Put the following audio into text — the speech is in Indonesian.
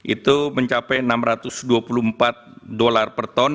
itu mencapai enam ratus dua puluh empat dolar per ton